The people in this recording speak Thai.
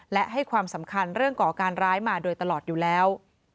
และให้ความสำคัญเรื่องก่อการร้ายมาโดยตลอดอยู่แล้ว